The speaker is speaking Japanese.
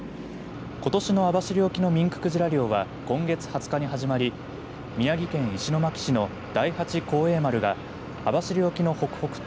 ことしの網走沖のミンククジラ漁は今月２０日に始まり宮城県石巻市の第八幸栄丸が網走沖の北北東